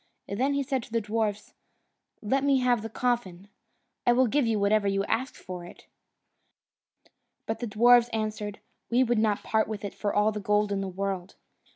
Then he said to the dwarfs, "Let me have the coffin! I will give you whatever you like to ask for it." But the dwarfs answered, "We would not part with it for all the gold in the world."